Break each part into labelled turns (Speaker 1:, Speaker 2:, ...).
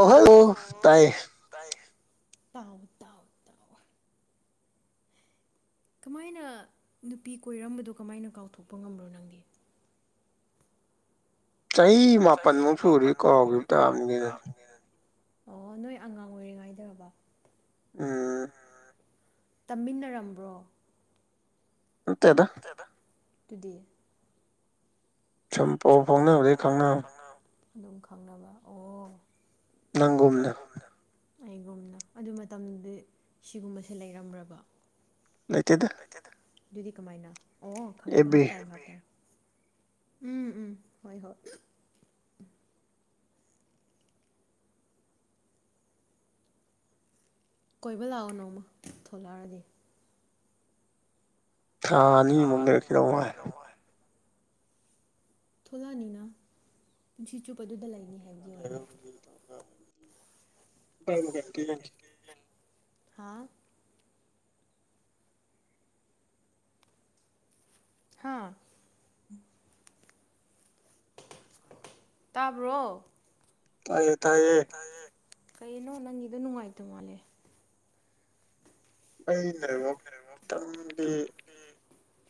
Speaker 1: ꯇꯥꯕ꯭ꯔꯣ ꯍꯜꯂꯣ ꯇꯥꯏꯌꯦ ꯇꯥꯎ ꯇꯥꯎ ꯀꯃꯥꯏꯅ ꯅꯨꯄꯤ ꯀꯣꯏꯔꯝꯕꯗꯣ ꯀꯃꯥꯏꯅ ꯀꯥꯎꯊꯣꯛꯄ ꯉꯝꯕ꯭ꯔꯣ ꯅꯪꯗꯤ
Speaker 2: ꯆꯍꯤ
Speaker 1: ꯆꯍꯤ ꯃꯥꯄꯟꯃꯨꯛ ꯁꯨꯔꯗꯤ ꯀꯥꯎꯈꯤꯕ ꯇꯥꯕꯅꯤ ꯀꯩꯅꯣ ꯑꯣ ꯅꯣꯏ ꯑꯉꯥꯡ ꯑꯣꯏꯔꯤꯉꯩꯗꯔꯥꯕ
Speaker 2: ꯎꯝ
Speaker 1: ꯎꯝ ꯇꯝꯃꯤꯟꯅꯔꯝꯕ꯭ꯔꯣ ꯅꯠꯇꯦꯗ ꯑꯗꯨꯗꯤ
Speaker 2: ꯁꯨꯝ ꯄꯥꯎ ꯐꯥꯎꯅꯕꯗꯒꯤ ꯈꯪꯅꯕꯅꯤ
Speaker 1: ꯑꯗꯨꯝ ꯈꯪꯅꯕ ꯑꯣ ꯅꯪꯒꯨꯝꯅ ꯑꯩꯒꯨꯝꯅ ꯑꯗꯨ ꯃꯇꯝꯗꯤ ꯁꯤꯒꯨꯝꯕꯁꯦ ꯂꯩꯔꯝꯕ꯭ꯔꯕ
Speaker 2: ꯂꯩꯇꯦꯗ
Speaker 1: ꯂꯩꯇꯦꯗ ꯑꯗꯨꯗꯤ ꯀꯃꯥꯏꯅ ꯑꯣ ꯈꯪꯉꯦ ꯚꯥꯞ ꯇꯥꯏ ꯚꯥꯞ ꯇꯥꯏ ꯎꯝ ꯎꯝ ꯍꯣꯏ ꯍꯣꯏ ꯀꯣꯏꯕ ꯂꯥꯛꯑꯣ ꯅꯣꯡꯃ ꯊꯣꯂꯛꯑꯗꯤ
Speaker 2: ꯊꯥ ꯑꯅꯤꯃꯨꯛ ꯂꯩꯔꯛꯈꯤꯗꯧ ꯃꯜꯂꯦ
Speaker 1: ꯊꯣꯛꯂꯛꯑꯅꯤꯅ ꯄꯨꯟꯁꯤ ꯆꯨꯞ ꯑꯗꯨꯗ ꯂꯩꯅꯤ ꯍꯥꯏꯕꯗꯤ ꯑꯣꯏꯗꯦ [unintelligible] ꯍꯥꯥ ꯇꯥꯕ꯭ꯔꯣ ꯇꯥꯌꯦ ꯇꯥꯌꯦ ꯀꯩꯅꯣ ꯅꯪꯒꯤꯗꯣ ꯅꯨꯡꯉꯥꯏꯇ ꯃꯥꯜꯂꯦ
Speaker 2: ꯑꯩꯅ ꯅꯦꯋ꯭ꯔꯥꯛ ꯈꯤꯇꯪꯗꯤ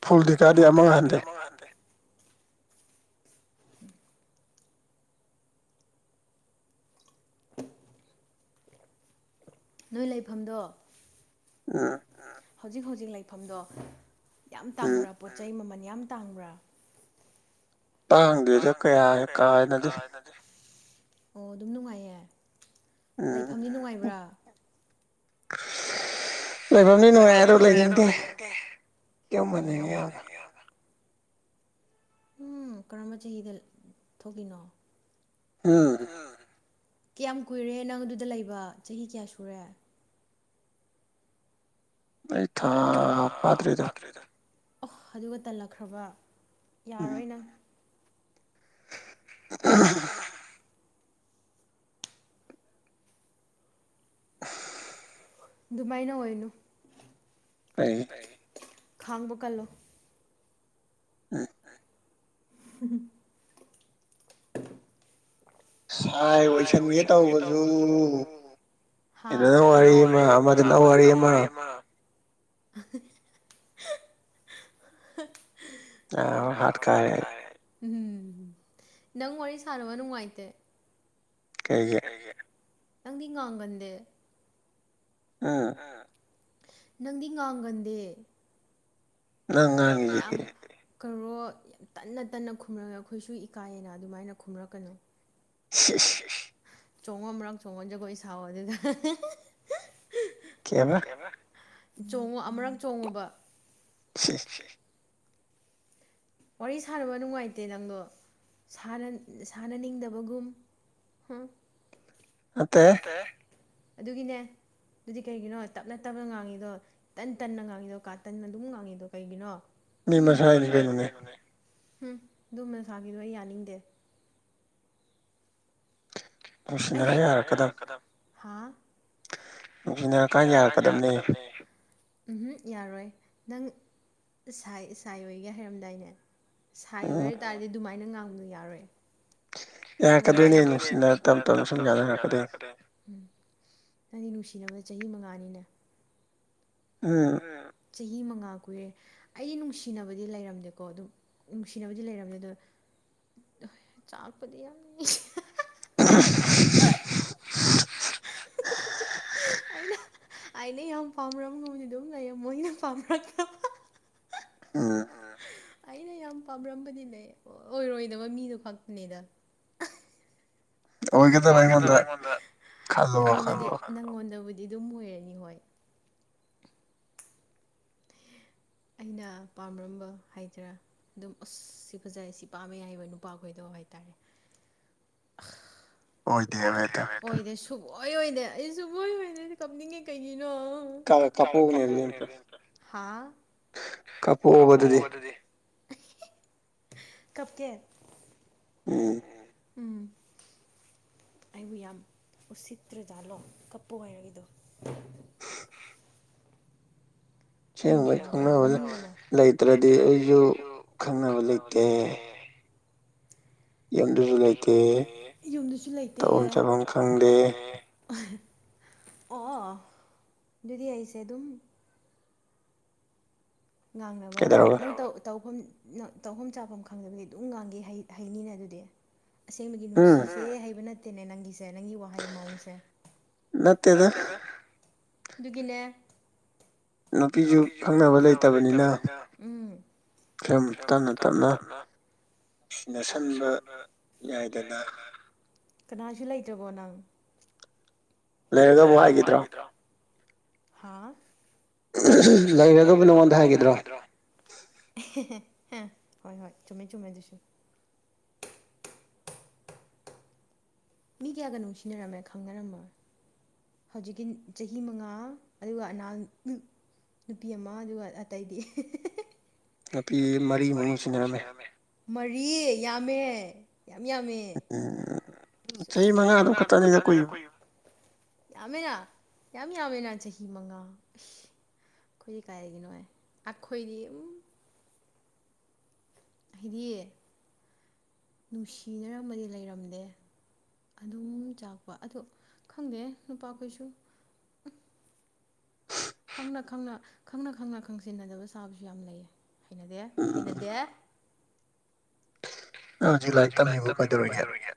Speaker 2: ꯐꯨꯜꯗꯤ ꯀꯥꯗꯦ ꯑꯃ ꯍꯟꯗꯩ
Speaker 1: [unintelligible] [inaudible] [inaudible] ꯅꯣꯏ ꯂꯩꯐꯝꯗꯣ
Speaker 2: ꯎꯝ
Speaker 1: ꯍꯧꯖꯤꯛ ꯍꯧꯖꯤꯛ ꯂꯩꯐꯝꯗꯣ ꯌꯥꯝ ꯇꯥꯡꯕ꯭ꯔꯥ ꯄꯣꯠ ꯆꯩ ꯃꯃꯜ ꯌꯥꯝ ꯇꯥꯡꯕ꯭ꯔꯥ ꯇꯥꯡꯗꯦꯗ ꯀꯌꯥ ꯀꯥ ꯍꯦꯟꯅꯗꯤ ꯑꯣ ꯑꯗꯨꯝ ꯅꯨꯡꯉꯥꯏꯌꯦ
Speaker 2: [unintelligible] ꯂꯩꯕꯝꯗꯤ ꯅꯨꯡꯉꯥꯏ ꯑꯗꯣ ꯂꯩꯅꯤꯡꯗꯦ ꯌꯨꯝ ꯍꯟꯅꯤꯡꯉꯦ ꯌꯥꯝꯅ
Speaker 1: ꯎꯝ ꯀꯔꯝꯕ ꯆꯍꯤꯗ ꯊꯣꯛꯂꯤꯅꯣ
Speaker 2: ꯎꯝ
Speaker 1: ꯑꯥ ꯀꯌꯥꯝ ꯀꯨꯏꯔꯦ ꯅꯪ ꯑꯗꯨꯗ ꯂꯩꯕ ꯆꯍꯤ ꯀꯌꯥ ꯁꯨꯔꯦ [unintelligible] ꯌꯥꯔꯣꯏ ꯅꯪ
Speaker 2: [inaudible]
Speaker 1: ꯗꯨꯃꯥꯏꯅ ꯑꯣꯏꯅꯨ
Speaker 2: ꯑꯩ
Speaker 1: ꯑꯩ ꯈꯥꯡꯕ ꯀꯜꯂꯣ
Speaker 2: [inaudible]
Speaker 1: ꯍꯨꯝ ꯍꯨꯝ ꯁꯥꯏ ꯑꯣꯏꯁꯟꯒꯦ ꯇꯧꯕꯖꯨ ꯍꯥ ꯁꯤꯗꯅ ꯋꯥꯔꯤ ꯑꯃ ꯑꯃꯗꯅ ꯋꯥꯔꯤ ꯑꯃ ꯑꯍ ꯍ ꯍ ꯍ ꯍ ꯍ ꯍ ꯀꯅꯥꯅꯣꯃ ꯍꯥꯠ ꯀꯥꯏꯔꯦ ꯎꯍꯝ ꯅꯪ ꯋꯥꯔꯤ ꯁꯥꯟꯅꯕ ꯅꯨꯡꯉꯥꯏꯇꯦ ꯀꯩꯒꯤ ꯅꯪꯗꯤ ꯉꯥꯡꯒꯟꯗꯦ
Speaker 2: ꯑ
Speaker 1: ꯍꯥ ꯅꯪꯗꯤ ꯉꯥꯡꯒꯟꯗꯦ [unintelligible] ꯀꯧꯔꯣ ꯌꯥꯝ ꯇꯟꯅ ꯇꯟꯅ ꯈꯨꯝꯔꯒ ꯈꯣꯏꯁꯨ ꯏꯀꯥꯏꯌꯦꯅ ꯑꯗꯨꯃꯥꯏꯅ ꯈꯨꯝꯔꯛꯀꯅꯨ ꯁꯤ ꯁꯤ ꯆꯣꯡꯉꯣ ꯑꯃꯔꯛ ꯆꯣꯡꯉꯣ ꯖꯒꯣꯏ ꯁꯥꯎꯑꯣ ꯑꯗꯨꯗ ꯍ ꯍꯦ ꯍꯦ ꯀꯦꯕ ꯆꯣꯡꯉꯣ ꯑꯃꯔꯛ ꯆꯣꯡꯉꯣꯕ
Speaker 2: ꯁꯦ
Speaker 1: ꯋꯥꯔꯤ ꯁꯥꯟꯅꯕ ꯅꯨꯡꯉꯥꯏꯇꯦ ꯅꯪꯗꯣ ꯁꯥꯅꯟ ꯁꯥꯅꯟꯅꯤꯡꯗꯕꯒꯨꯝ ꯍꯝ ꯅꯠꯇꯦꯍꯦ ꯑꯗꯨꯒꯤꯅꯦ ꯗꯨꯗꯤ ꯀꯩꯒꯤꯅꯣ ꯇꯞꯅ ꯇꯞꯅ ꯉꯥꯡꯉꯤꯗꯣ ꯇꯟ ꯇꯟꯅ ꯉꯥꯡꯉꯤꯗꯣ ꯀꯥꯇꯟꯅ ꯗꯨꯝ ꯉꯥꯡꯉꯤꯗꯣ ꯀꯩꯒꯤꯅꯣ ꯍꯨꯝ ꯃꯤ ꯃꯁꯥꯏꯅꯤ ꯀꯩꯅꯣ ꯅꯦ ꯍꯨꯝ ꯗꯨꯃꯁꯥꯒꯤꯗꯣ ꯑꯩ ꯌꯥꯅꯤꯡꯗꯦ ꯑꯩꯗꯤ ꯅꯨꯡꯁꯤꯅꯔ ꯌꯥꯔꯛꯀꯗꯝ ꯍꯥ ꯅꯨꯡꯁꯤꯅꯔꯀꯥꯟ ꯌꯥꯔꯛꯀꯗꯝꯅꯦ ꯎꯝꯍꯨꯝ ꯌꯥꯔꯣꯏ ꯅꯪ ꯁꯥꯏ ꯏꯁꯥꯏ ꯑꯣꯏꯒꯦ ꯍꯥꯏꯔꯝꯗꯥꯏꯅꯦ ꯁꯥꯏ ꯑꯣꯏꯔ ꯇꯥꯔꯗꯤ ꯗꯨꯃꯥꯏꯟꯅ ꯉꯥꯡꯕꯗꯨ ꯌꯥꯔꯣꯏ ꯌꯥꯔꯛꯀꯗꯣꯏꯅꯦ ꯅꯨꯡꯁꯤꯅꯔ ꯇꯞ ꯇꯞꯅ ꯁꯨꯝ ꯌꯥꯅꯔꯛꯀꯗꯣꯏꯅꯤ ꯅꯪꯗꯤ ꯅꯨꯡꯁꯤꯅꯕ ꯆꯍꯤ ꯃꯉꯥꯅꯤꯅꯦ
Speaker 2: ꯑ
Speaker 1: ꯑ ꯆꯍꯤ ꯃꯉꯥ ꯀꯨꯏꯌꯦ ꯑꯩꯗꯤ ꯅꯨꯡꯁꯤꯅꯕꯗꯤ ꯂꯩꯔꯝꯗꯦꯀꯣ ꯑꯗꯨ ꯅꯨꯡꯁꯤꯅꯕꯗꯤ ꯂꯩꯔꯝꯗꯦ ꯑꯗꯣ ꯆꯥꯛꯄꯗꯤ ꯌꯥꯝꯅꯤ
Speaker 2: [inaudible]
Speaker 1: ꯑꯥꯏꯅ ꯌꯥꯝ ꯄꯥꯝꯃꯨꯔꯝꯃꯨꯗꯤ ꯑꯗꯨꯝ ꯂꯩꯔꯝꯃꯣꯏ ꯅꯪ ꯄꯥꯝꯕ꯭ꯔ ꯈ
Speaker 2: ꯑ
Speaker 1: ꯑ ꯑꯩꯅ ꯌꯥꯝ ꯄꯥꯝꯔꯝꯕꯗꯤꯅꯦ ꯑꯣꯏꯔꯣꯏꯗꯕ ꯃꯤꯗꯣ ꯈꯛꯇꯅꯦꯗ ꯑꯣꯏꯒꯗꯕ ꯑꯩꯉꯣꯟꯗ ꯅꯪꯉꯣꯟꯗꯗꯤ ꯈꯜꯂꯨ ꯋꯥꯈꯟ ꯅꯪꯉꯣꯟꯗꯕꯨꯗꯤ ꯑꯗꯨꯝ ꯑꯣꯏꯔꯅꯤ ꯍꯣꯏ ꯑꯩꯅ ꯄꯥꯝꯔꯝꯕ ꯍꯥꯏꯖꯤꯔꯥ ꯗꯨꯝ ꯑꯁ ꯁꯤ ꯐꯖꯩ ꯁꯤ ꯄꯥꯝꯃꯦ ꯍꯥꯏꯕ ꯅꯨꯄꯥꯈꯣꯏꯗꯣ ꯍꯥꯏ ꯇꯥꯔꯦ ꯑꯁ ꯑꯣꯏꯗꯦꯃꯦ ꯑꯣꯏꯗꯦ ꯁꯨꯛꯑꯣꯏ ꯑꯣꯏꯗꯦ ꯑꯩ ꯁꯨꯛꯑꯣꯏ ꯑꯣꯏꯗꯦ ꯑꯩꯖꯦ ꯀꯞꯅꯤꯡꯉꯦ ꯀꯩꯒꯤꯅꯣ ꯀꯥ ꯀꯥꯞꯄꯧꯛꯑꯣꯅꯦ ꯗꯨꯗꯤ ꯑꯝꯇ ꯍꯥ ꯀꯞꯄꯑꯣꯕ ꯑꯗꯨꯗꯤ ꯀꯞꯀꯦ
Speaker 2: ꯎꯝ
Speaker 1: ꯎꯝ ꯎꯝ ꯑꯩꯕꯨ ꯌꯥꯝ ꯎꯁꯤꯠꯇ꯭ꯔꯖꯥꯂꯣ ꯀꯞꯄꯨ ꯍꯥꯢꯔꯛꯏꯗꯣ ꯃꯤ ꯃꯌꯥꯝꯒ ꯃꯤ ꯃꯌꯥꯝ [unintelligible] ꯂꯩꯇ꯭ꯔꯗꯤ ꯑꯩꯖꯨ ꯈꯪꯅꯕ ꯂꯩꯇꯦ ꯌꯨꯝꯗꯨꯖꯨ ꯂꯩꯇꯦ ꯌꯨꯝꯗꯁꯨ ꯂꯩꯇꯦ ꯇꯧꯕꯝ ꯆꯥꯕꯝ ꯈꯪꯗꯦ ꯑꯣ ꯗꯨꯗꯤ ꯑꯩꯁꯦ ꯗꯨꯝ ꯉꯥꯡꯅꯕ ꯀꯩꯗꯧꯔꯕ ꯅꯪ ꯇꯧ ꯇꯧꯐꯝ ꯅꯪ ꯇꯧꯐꯝ ꯆꯥꯐꯝ ꯈꯪꯗꯕꯒꯤ ꯗꯨꯝ ꯉꯥꯡꯒꯦ ꯍꯩꯠ ꯍꯥꯅꯤꯅ ꯑꯗꯨꯗꯤ ꯑꯁꯦꯡꯕꯒꯤ ꯅꯨꯡꯁꯤꯁꯦ ꯍꯥꯏꯕ ꯅꯠꯇꯦꯅꯦ ꯅꯪꯒꯤꯁ ꯖꯦ ꯅꯪꯒꯤ ꯋꯥꯍꯩ ꯃꯑꯣꯡꯁꯦ ꯅꯠꯇꯦꯗ ꯗꯨꯒꯤꯅꯦ ꯅꯨꯄꯤꯖꯨ ꯈꯪꯅꯕ ꯂꯩꯇꯕꯅꯤꯅ ꯎꯝ ꯈꯦꯝ ꯇꯞꯅ ꯇꯞꯅ ꯅꯨꯡꯁꯤꯅꯁꯟꯕ ꯌꯥꯏꯗꯅ ꯀꯅꯥꯁꯨ ꯂꯩꯇ꯭ꯔꯕꯣ ꯅꯪ
Speaker 2: ꯂꯩꯔꯒꯕꯨ ꯍꯥꯏꯒꯤꯗ꯭ꯔꯣ
Speaker 1: ꯍꯥ ꯂꯩꯔꯒꯕꯨ ꯅꯉꯣꯟꯗ ꯍꯥꯏꯒꯤꯗ꯭ꯔꯣ ꯑꯦꯍꯦ ꯍꯦ ꯍ ꯍꯣꯏ ꯍꯣꯏ ꯆꯨꯝꯃꯦ ꯆꯨꯝꯃꯦ ꯑꯗꯨꯁꯨ ꯃꯤ ꯀ꯭ꯌꯥꯒ ꯅꯨꯡꯁꯤꯅꯔꯝꯃꯦ ꯈꯪꯅꯔꯝꯃ ꯍꯧꯖꯤꯛꯀꯤ ꯆꯍꯤ ꯃꯉꯥ ꯑꯗꯨꯒ ꯑꯅꯥꯜ [unintelligible] ꯅꯨꯄꯤ ꯑꯃ ꯑꯗꯨꯒ ꯑꯇꯩꯗꯤ [unintelligible] ꯅꯨꯄꯤ ꯃꯔꯤ ꯃꯨꯛ ꯅꯨꯡꯁꯤ ꯅꯔꯝꯃꯦ ꯃꯔꯤ ꯌꯥꯝꯃꯦ ꯌꯥꯝ ꯌꯥꯝꯃꯦ [unintelligible] ꯆꯍꯤ ꯃꯉꯥ ꯗꯨ ꯈꯠꯇꯅꯤꯗ ꯀꯨꯏꯕ ꯌꯥꯝꯃꯦꯅ ꯌꯥꯝ ꯌꯥꯝꯃꯦꯅ ꯆꯍꯤ ꯃꯉꯥ ꯑꯈꯣꯏꯗꯤ ꯀꯥꯏꯒꯤꯅꯣ ꯍꯦ ꯑꯈꯣꯏꯗꯤ ꯎꯝ ꯍꯩꯗꯤ ꯅꯨꯡꯁꯤꯅꯔꯝꯃꯗꯤ ꯂꯩꯔꯝꯗꯦ ꯑꯗꯨꯝ ꯆꯥꯛꯄ ꯑꯗꯣ ꯈꯪꯗꯦ ꯅꯨꯄꯥꯈꯣꯏꯁꯨ ꯈꯪꯅ ꯈꯪꯅ ꯈꯪꯅ ꯈꯪꯅ ꯈꯪꯁꯤꯟꯅꯗꯕ ꯁꯥꯕꯁꯨ ꯌꯥꯝ ꯂꯩꯌꯦ ꯍꯩꯅꯗꯦ ꯍꯩꯅꯗꯦ ꯅ ꯍꯧꯖꯤꯛ ꯂꯥꯏꯔꯤꯛ ꯇꯝꯃꯤꯕꯣ ꯀꯩꯗꯧꯔꯤꯒꯦ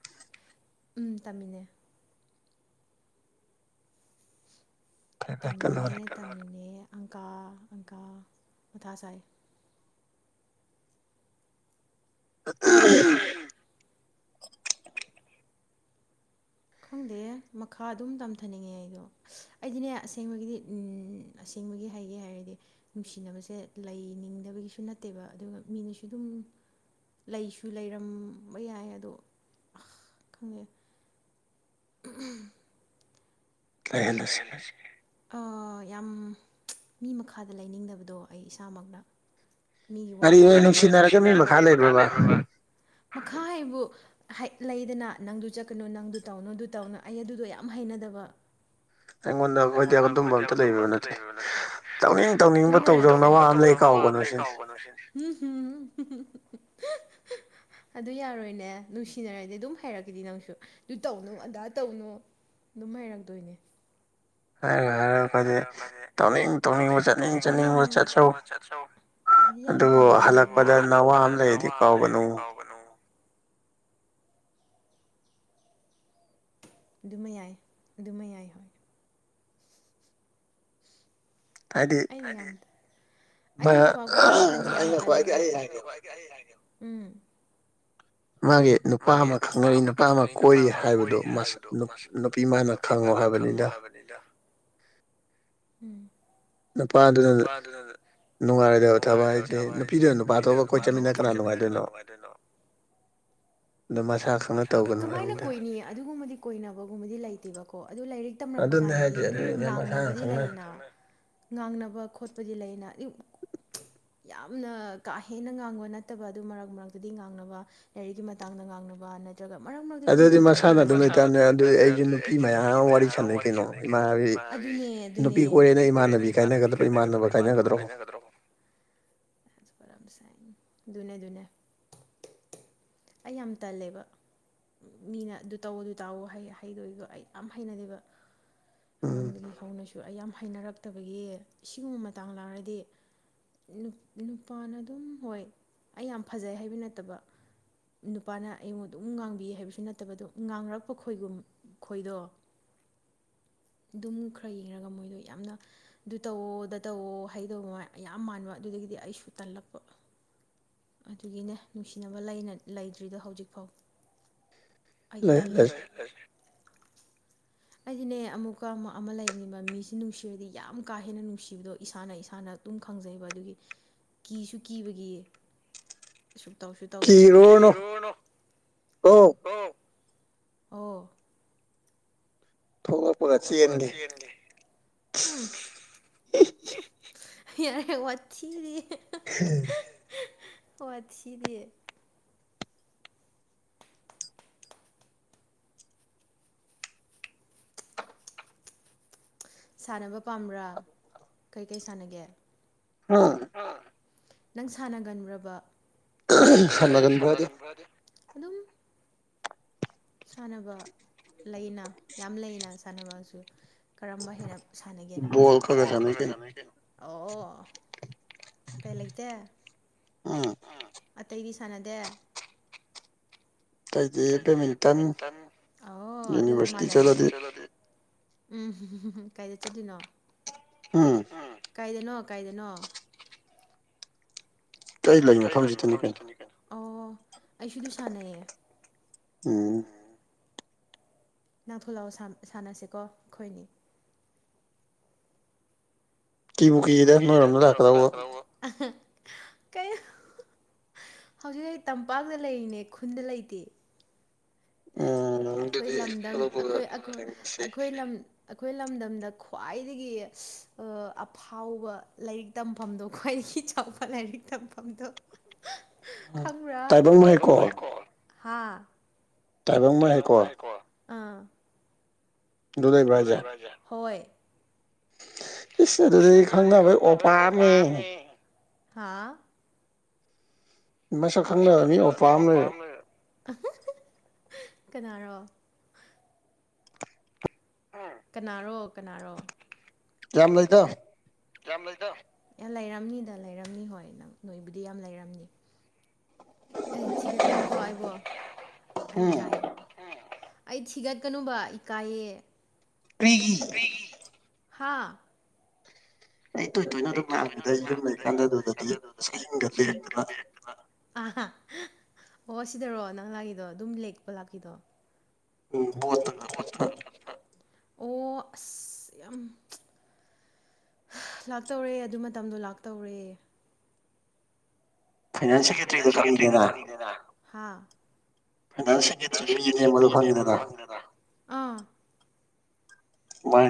Speaker 1: ꯎꯝ ꯇꯝꯃꯤꯅꯦ ꯇꯝꯃꯤꯅꯦ ꯇꯝꯃꯤꯅꯦ ꯑꯪꯀꯥ ꯑꯪꯀꯥ ꯃꯊꯥ ꯁꯥꯏ
Speaker 2: [unintelligible]
Speaker 1: ꯈꯪꯗꯦꯌꯦ ꯃꯈꯥ ꯑꯗꯨꯝ ꯇꯝꯊꯅꯤꯡꯉꯦ ꯑꯩꯗꯣ ꯑꯩꯗꯤꯅꯦ ꯑꯁꯦꯡꯕꯒꯤꯗꯤ ꯎꯝ ꯑꯁꯦꯡꯕꯒꯤ ꯍꯩꯒꯦ ꯍꯥꯏꯔꯗꯤ ꯅꯨꯡꯁꯤꯅꯕꯁꯦ ꯂꯩꯅꯤꯡꯗꯕꯒꯤꯁꯨ ꯅꯠꯇꯦꯕ ꯑꯗꯨꯒ ꯃꯤꯅꯁꯨ ꯗꯨꯝ ꯂꯩꯁꯨ ꯂꯩꯔꯝꯕ ꯌꯥꯏ ꯑꯗꯣ ꯈꯪꯉꯦ [unintelligible] [unintelligible] ꯑ ꯌꯥꯝ ꯃꯤ ꯃꯈꯥꯗ ꯂꯩꯅꯤꯡꯗꯕꯗꯣ ꯑꯩ ꯏꯁꯥꯃꯛꯅ ꯃꯤ ꯒꯤ ꯋꯥ ꯇꯥꯔꯥ ꯀꯔꯤꯅꯣꯅꯦ ꯅꯨꯡꯁꯤꯅꯔꯒ ꯃꯤ ꯃꯈꯥ ꯂꯩꯕ꯭ꯔꯕ ꯃꯈꯥ ꯍꯥꯏꯕꯨ ꯍꯩꯗ ꯂꯩꯗꯅ ꯅꯪꯗꯨ ꯆꯠꯀꯅꯨ ꯅꯪꯗꯨ ꯇꯧꯅꯨꯗꯨ ꯇꯧꯅꯨ ꯑꯩ ꯑꯗꯨꯗꯣ ꯌꯥꯝ ꯍꯩꯅꯗꯕ ꯑꯩꯉꯣꯟꯗ ꯑꯈꯣꯏꯗꯤ ꯑꯗꯨꯝꯕ ꯑꯝꯇ ꯂꯩꯕ ꯅꯠꯇꯦ ꯇꯧꯅꯤꯡ ꯇꯧꯅꯤꯡꯕ ꯇꯧꯖꯧ ꯅꯋꯥ ꯑꯝ ꯂꯩ ꯀꯥꯎꯒꯅꯨ ꯁꯤꯅꯤ [unintelligible] ꯑꯗꯨ ꯌꯥꯔꯣꯏꯅꯦ ꯅꯨꯡꯁꯤꯅꯔꯗꯤ ꯑꯗꯨꯝ ꯍꯩꯔꯛꯀꯅꯤ ꯅꯪꯁꯨ ꯑꯗꯨ ꯇꯧꯅꯨ ꯑꯗꯥ ꯇꯧꯅꯨ ꯗꯨꯝ ꯍꯩꯔꯛꯇꯣꯏꯅꯦ
Speaker 2: ꯍꯥꯏꯔꯣꯢ ꯍꯥꯏꯔꯣꯢ ꯑꯈꯣꯏꯗꯤ ꯇꯧꯅꯤꯡ ꯇꯧꯅꯤꯡꯕ ꯆꯠꯅꯤꯡ ꯆꯠꯅꯤꯡꯕ ꯆꯠꯆꯧ
Speaker 1: ꯆꯠꯆꯧ
Speaker 2: ꯑꯗꯨꯕꯨ ꯍꯜꯂꯛꯄꯗ ꯅꯋꯥ ꯑꯃ ꯂꯩꯌꯦꯗꯤ ꯀꯥꯎꯒꯅꯨ
Speaker 1: ꯑꯗꯨꯃ ꯌꯥꯏ ꯑꯗꯨꯃ ꯌꯥꯏ ꯍꯣꯏ
Speaker 2: ꯍꯥꯏꯗꯤ
Speaker 1: ꯍꯥꯢꯗꯤ ꯑꯩꯅ ꯅꯨꯄꯥꯀꯣꯢꯕꯩ ꯋꯥꯈꯟꯁꯦ ꯌꯥꯝ ꯇꯟꯂꯦꯕ ꯑꯩ ꯍꯥꯢꯒꯦꯕ ꯎꯝ
Speaker 2: ꯃꯥꯒꯤ ꯅꯨꯄꯥ ꯑꯃ ꯈꯪꯅꯔꯤ ꯅꯨꯄꯥ ꯑꯃ ꯀꯣꯏꯔꯤ ꯍꯥꯏꯕꯗꯣ ꯃꯁꯨ ꯅꯨ ꯅꯨꯄꯤ ꯃꯥꯅ ꯈꯪꯉꯣ ꯍꯥꯏꯕꯅꯤꯗ
Speaker 1: ꯕꯅꯤꯗ ꯅꯨꯄꯥꯗꯨꯅꯗ ꯅꯨꯡꯉꯥꯏꯔꯣꯏꯗꯕ ꯊꯥꯕꯛ ꯍꯥꯏꯖꯦ ꯅꯨꯄꯤꯗꯨꯅ ꯅꯨꯄꯥ ꯑꯇꯣꯞꯄ ꯀꯣꯏ ꯆꯠꯃꯤꯟꯅ ꯀꯅꯥ ꯅꯨꯡꯉꯥꯏꯗꯣꯏꯅꯣ ꯀꯃꯥꯏꯅ ꯀꯣꯏꯅꯤ ꯑꯗꯨꯒꯨꯝꯕꯗꯤ ꯀꯣꯏꯅꯕꯒꯨꯝꯕꯗꯤ ꯂꯩꯇꯦꯕꯀꯣ ꯑꯗꯨ ꯂꯥꯏꯔꯤꯛ ꯇꯝꯔꯛꯛꯄ ꯀꯥꯟꯗꯗꯤ ꯑꯗꯨꯝ ꯉꯥꯡꯅꯕꯗꯤ ꯂꯩꯅ ꯉꯥꯡꯅꯕ ꯈꯣꯠꯄꯗꯤ ꯂꯩꯅꯥ [unintelligible] ꯌꯥꯝꯅ ꯀꯥ ꯍꯦꯟꯅ ꯉꯥꯡꯕ ꯅꯠꯇꯕ ꯑꯗꯨ ꯃꯔꯛ ꯃꯔꯛꯇꯗꯤ ꯉꯥꯡꯅꯕ ꯂꯥꯏꯔꯤꯛꯀꯤ ꯃꯇꯥꯡꯗ ꯉꯥꯡꯅꯕ ꯅꯠ ꯇ꯭ꯔꯒ ꯃꯔꯛ ꯃꯔꯛꯇꯗꯤ ꯑꯗꯨꯝ ꯑꯣꯏꯊꯣꯛꯄ ꯂꯩꯅꯥ ꯑꯗꯨꯗꯤ ꯃꯁꯥꯅ ꯑꯗꯨꯝ ꯂꯩ ꯇꯥꯕꯅꯤ ꯑꯗꯨ ꯑꯩꯖꯨ ꯅꯨꯄꯤ ꯃꯌꯥꯝ ꯑꯃꯥ ꯋꯥꯔꯤ ꯁꯥꯟꯅꯩ ꯀꯩꯅꯣ ꯏꯃꯥꯟꯅꯕꯤ ꯑꯗꯨꯅꯦ ꯑꯗꯨꯅꯦ ꯅꯨꯄꯤ ꯀꯣꯏꯔꯦꯅ ꯑꯩ ꯏꯃꯥꯟꯅꯕꯤ ꯀꯥꯏꯅꯒꯗ꯭ꯔꯣ ꯏꯃꯥꯟꯅꯕ ꯀꯥꯏꯅꯒꯗ꯭ꯔꯣ [unintelligible] ꯑꯗꯨꯅꯦ ꯑꯗꯨꯅꯦ ꯑꯩ ꯌꯥꯝ ꯇꯜꯂꯦꯕꯥ ꯃꯤꯅ ꯑꯗꯨ ꯇꯧꯑꯣ ꯑꯗꯨ ꯇꯥꯑꯣꯍꯩ ꯍꯥꯏꯗꯣꯏꯗꯣ ꯑꯩ ꯌꯥꯝ ꯍꯩꯅꯗꯦꯕꯥ ꯈꯨꯡꯒꯪꯗꯒꯤ ꯍꯧꯅꯁꯨ ꯑꯩ ꯌꯥꯝ ꯍꯩꯅꯔꯛꯇꯕꯒꯤ ꯑꯁꯤꯒꯨꯝꯕ ꯃꯇꯥꯡ ꯂꯥꯛꯔꯗꯤ ꯅꯨ ꯅꯨꯄꯥꯅ ꯑꯗꯨꯝ ꯍꯣꯏ ꯑꯩ ꯌꯥꯝ ꯐꯖꯩ ꯍꯥꯏꯕ ꯅꯠꯇꯕ ꯅꯨꯄꯥꯅ ꯑꯩꯕꯨ ꯑꯗꯨꯝ ꯉꯥꯡꯕꯤ ꯍꯥꯏꯕꯁꯨ ꯅꯠꯇꯕ ꯑꯗꯨꯝ ꯉꯥꯡꯔꯛꯄ ꯈꯣꯏꯒꯨꯝ ꯑꯩꯈꯣꯏꯗꯣ ꯑꯗꯨꯝ ꯈꯔ ꯌꯦꯡꯔꯒ ꯃꯣꯏꯗꯣ ꯌꯥꯝꯅ ꯑꯗꯨ ꯇꯧꯑꯣ ꯑꯗꯥ ꯇꯧꯑꯣ ꯍꯥꯏꯗꯧꯉꯥꯏ ꯑꯩ ꯌꯥꯝ ꯃꯥꯟꯕ ꯑꯗꯨꯗꯒꯤꯗꯤ ꯑꯩꯁꯨ ꯇꯜꯂꯛꯄ ꯑꯗꯨꯒꯤꯅꯦ ꯅꯨꯡꯁꯤꯅꯕ ꯂꯩꯅ ꯂꯩꯇ꯭ꯔꯤꯗꯣ ꯍꯧꯖꯤꯛꯐꯥꯎ ꯑꯩ ꯇꯜꯂꯦ [unintelligible] ꯑꯩꯗꯤꯅꯦ ꯑꯃꯨꯛꯀ ꯑꯃꯨꯛ ꯑꯃ ꯂꯩꯕꯅꯦꯕ ꯃꯤꯁꯦ ꯅꯨꯡꯁꯤ ꯁꯤꯔꯗꯤ ꯌꯥꯝ ꯀꯥ ꯍꯦꯟꯅ ꯅꯨꯡꯁꯤꯕꯗꯣ ꯏꯁꯥꯅ ꯏꯁꯥꯅ ꯑꯗꯨꯝ ꯈꯪꯖꯩꯕ ꯑꯗꯨꯒꯤ ꯀꯤꯁꯨ ꯀꯤꯕꯒꯤ ꯁꯨꯛꯇꯨꯁꯨ ꯇꯧꯗꯦ [unintelligible] ꯑꯣ ꯊꯣꯛꯂꯛꯄꯒ ꯆꯦꯟꯒꯦ ꯍꯝ [unintelligible] ꯌꯥꯔꯦ ꯋꯥꯊꯤꯗꯤ
Speaker 2: [unintelligible]
Speaker 1: ꯋꯥꯊꯤꯗꯤ [inaudible] ꯁꯥꯟꯅꯕ ꯄꯥꯝꯕ꯭ꯔꯥ ꯀꯩꯀꯩ ꯁꯥꯟꯅꯒꯦ
Speaker 2: ꯑꯥ
Speaker 1: ꯑꯥ ꯅꯪ ꯁꯥꯟꯅꯒꯟꯕ꯭ꯔꯕꯥ ꯁꯥꯟꯅꯒꯟꯕ꯭ꯔꯗꯤ ꯑꯗꯨꯝ ꯁꯥꯟꯅꯕ ꯂꯩꯅ ꯌꯥꯝ ꯂꯩꯅ ꯁꯥꯟꯅꯕꯁꯨ ꯀꯔꯝꯕ ꯍꯦꯟꯅ ꯁꯥꯟꯅꯒꯦ ꯅꯪ ꯕꯣꯜ ꯈꯔ ꯈꯔ ꯁꯥꯟꯅꯩ ꯀꯩꯅꯣ ꯑꯣ ꯑꯣ ꯀꯩ ꯂꯩꯇꯦ ꯑꯥ ꯑꯇꯩꯗꯤ ꯁꯥꯟꯅꯗꯦ ꯑꯩꯗꯤ ꯕꯦꯠꯃꯤꯟꯇꯟ ꯑꯣ ꯑꯗꯨ ꯃꯥꯟꯅꯔꯦ ꯌꯨꯅꯤꯚꯔꯁꯤꯇꯤ ꯆꯠꯂꯗꯤ ꯎꯝ ꯍꯝ ꯍꯝ ꯍꯝ ꯀꯥꯏꯗ ꯆꯠꯇꯨꯏꯅꯣ
Speaker 2: ꯎꯝ
Speaker 1: ꯎꯝ ꯀꯥꯏꯗꯅꯣ ꯀꯥꯏꯗꯅꯣ ꯑꯩ ꯂꯩ ꯃꯐꯝꯁꯤꯗꯅꯤ ꯀꯩꯅꯣ ꯑꯣ ꯑꯩꯁꯨ ꯑꯗꯨ ꯁꯥꯟꯅꯩꯌꯦ
Speaker 2: ꯎꯝ
Speaker 1: ꯅꯥ ꯊꯣꯂꯛꯑꯣ ꯁꯥꯟ ꯁꯥꯟꯅꯁꯤꯀꯣ ꯑꯩꯈꯣꯏꯅꯤ ꯀꯤꯕꯨ ꯀꯤꯑꯦꯗ ꯅꯣꯏ ꯔꯣꯝ ꯂꯥꯛꯀꯗꯧꯕ ꯀꯩꯅꯣ ꯍꯧꯖꯤꯛ ꯑꯩ ꯇꯝꯄꯥꯛꯇ ꯂꯩꯔꯤꯅꯦ ꯈꯨꯟꯗ ꯂꯩꯇꯦ ꯑꯩꯈꯣꯏ ꯂꯝꯗꯝ ꯑꯩꯈꯣꯏ ꯑꯩꯈꯣꯏ ꯂꯝ ꯑꯩꯈꯣꯏ ꯂꯝꯗꯝꯗ ꯈ꯭ꯋꯥꯏꯗꯒꯤ ꯑ ꯐꯥꯎꯕ ꯂꯥꯏꯔꯤꯛ ꯇꯝꯐꯝꯗꯣ ꯈ꯭ꯋꯥꯏꯗꯒꯤ ꯆꯥꯎꯕ ꯂꯥꯏꯔꯤꯛ ꯇꯝꯐꯝꯗꯣ ꯈꯪꯕ꯭ꯔꯥ ꯇꯥꯏꯕꯪ ꯂꯩꯀꯣꯜ ꯍꯥ
Speaker 2: ꯇꯥꯏꯕꯪ ꯃꯍꯩꯀꯣꯜ
Speaker 1: ꯑꯗꯨ ꯂꯩꯕ꯭ꯔꯥ ꯍꯥꯏꯖꯦ ꯍꯣꯏ ꯏꯁ ꯑꯗꯨꯗꯤ ꯈꯪꯅꯕ ꯑꯣꯄꯥꯝꯃꯅꯤꯍꯦ ꯍꯥ ꯃꯁꯛ ꯈꯪꯗꯕ ꯃꯤ ꯑꯣꯄꯥꯝꯃ ꯂꯩꯔꯝꯃꯦ [unintelligible] ꯀꯅꯥꯔꯣ ꯍꯨꯝ ꯀꯅꯥꯔꯣ ꯀꯅꯥꯔꯣ
Speaker 2: ꯌꯥꯝ ꯂꯩꯗ
Speaker 1: ꯌꯥꯝ ꯂꯩꯗ ꯑꯦ ꯂꯩꯔꯝꯅꯤꯗ ꯂꯩꯔꯝꯅꯤ ꯍꯣꯏ ꯅꯪ ꯅꯣꯏꯕꯨꯗꯤ ꯌꯥꯝ ꯂꯩꯔꯝꯅꯤ ꯑꯩ ꯊꯤꯒꯠꯀꯅꯨꯀꯣ ꯑꯩꯕꯨ ꯑꯩ ꯀꯥꯏ ꯑꯩ ꯊꯤꯒꯠꯀꯅꯨꯕ ꯏꯀꯥꯏꯌꯦ
Speaker 2: ꯀ꯭ꯔꯤꯒꯤ
Speaker 1: ꯍꯥꯥ ꯑꯩ ꯇꯣꯏ ꯇꯣꯏꯅ ꯑꯗꯨꯝ ꯂꯥꯛꯑꯝꯃꯤꯗ ꯑꯩ ꯌꯨꯝ ꯂꯩꯀꯥꯟꯗ ꯑꯗꯨꯗꯗꯤ ꯁꯤ ꯑꯍꯤꯡꯒ ꯂꯦꯛꯇ ꯅ ꯑꯥ ꯍꯥ ꯑꯣ ꯁꯤꯗꯔꯣ ꯅꯪ ꯂꯥꯛꯏꯗꯣ ꯑꯗꯨꯝ ꯂꯦꯛꯄ ꯂꯥꯛꯈꯤꯗꯣ
Speaker 2: ꯎꯝ ꯕꯣꯠꯇꯒ
Speaker 1: ꯑꯣ ꯑꯁ ꯌꯥꯝ ꯂꯥꯛꯇꯧꯔꯦ ꯑꯗꯨ ꯃꯇꯝꯗꯣ ꯂꯥꯛꯇꯧꯔꯦ ꯐꯥꯏꯅꯥꯟꯁ ꯁꯦꯀꯦꯇ꯭ꯔꯤꯗꯣ ꯈꯪꯉꯤꯗꯅ ꯍꯥ ꯐꯥꯏꯅꯥꯟꯁ ꯁꯦꯀꯦꯇ꯭ꯔꯤ ꯃꯤ ꯅꯦꯝꯕꯗꯨ ꯈꯪꯉꯤꯗꯅ
Speaker 2: ꯃꯥꯏ